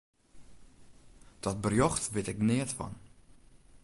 Dat berjocht wit ik neat fan.